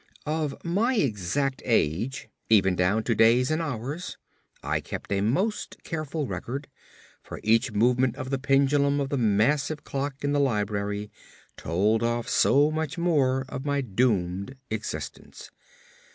Of my exact age, even down to days and hours, I kept a most careful record, for each movement of the pendulum of the massive clock in the library tolled off so much more of my doomed existence.